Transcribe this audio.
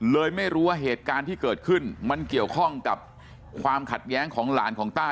เลยไม่รู้ว่าเหตุการณ์ที่เกิดขึ้นมันเกี่ยวข้องกับความขัดแย้งของหลานของต้า